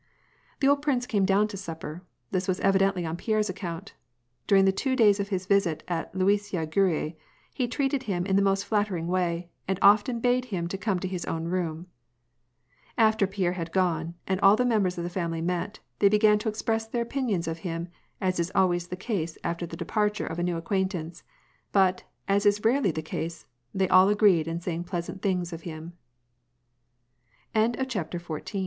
The old prince came down to supper : this was evidently on Pierre's account. During the two days of his visit at Luisiya Gonii, he treated him in the most nattering way, and often bade him come to his own room. After Pierre had gone, and all the members of the family met, they began to express their opinions of him, as is always the case after the departure of a new acquaintance ; but, as is rarely the